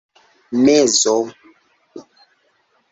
mezo